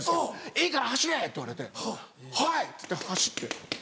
「いいから走れ！」って言われて「はい！」って言って走って。